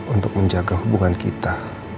untuk menjaga hubungan kita